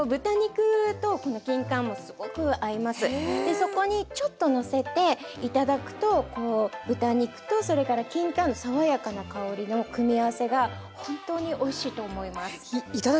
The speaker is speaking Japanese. そこにちょっとのせて頂くとこう豚肉とそれからきんかんの爽やかな香りの組み合わせが本当においしいと思います。